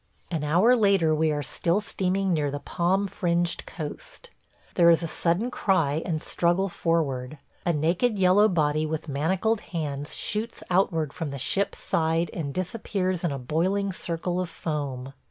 An hour later we are still steaming near the palm fringed coast. There is a sudden cry and struggle forward – a naked yellow body with manacled hands shoots outward from the ship's side and disappears in a boiling circle of foam.